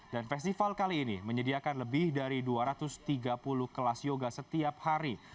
dan festival kali ini menyediakan lebih dari dua ratus tiga puluh kelas yoga setiap hari